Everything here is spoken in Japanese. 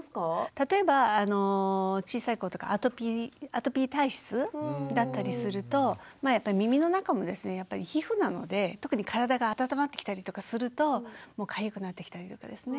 例えば小さい子とかアトピー体質だったりすると耳の中もですねやっぱり皮膚なので特に体が温まってきたりとかするとかゆくなってきたりとかですね。